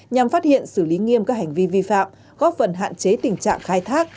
nhằm phát hiện xử lý nghiêm các hành vi vi phạm góp phần hạn chế tình trạng khai thác